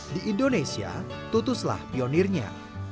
di indonesia tutuslah pionirnya